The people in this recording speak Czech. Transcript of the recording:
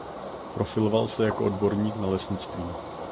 Profiloval se jako odborník na lesnictví.